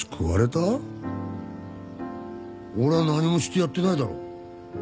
俺は何もしてやってないだろ。